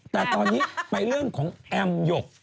แต่ตอนนี้ไปเรื่องของแอมหยก